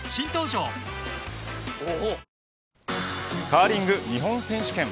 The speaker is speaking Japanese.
カーリング日本選手権。